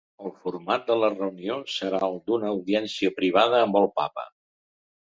El format de la reunió serà el d’una audiència privada amb el papa.